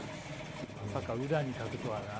まさか裏に書くとはな。